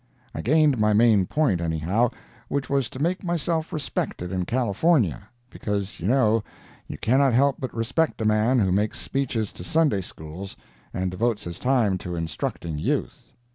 I gained my main point, anyhow, which was to make myself respected in California, because you know you cannot help but respect a man who makes speeches to Sunday Schools, and devotes his time to instructing youth.